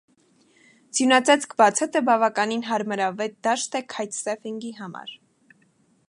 Ձյունածածկ բացատը բավականին հարմարավետ դաշտ է քայթսեֆինգի համար։